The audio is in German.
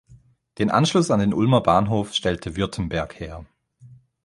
Den Anschluss an den Ulmer Bahnhof stellte Württemberg her.